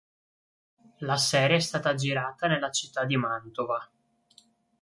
La serie è stata girata nella città di Mantova.